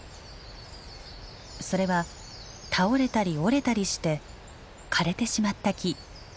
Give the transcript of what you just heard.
それは倒れたり折れたりして枯れてしまった木。